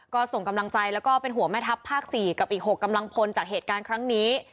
ก็ส่งกำลังใจแล้วก็เป็นห่วงแม่ทัพภาค๔กับอีก๖กำลังพลจากเหตุการณ์ครั้งนี้